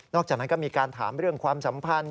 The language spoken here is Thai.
จากนั้นก็มีการถามเรื่องความสัมพันธ์